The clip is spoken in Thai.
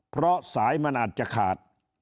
เพราะสายมันอาจจะขาด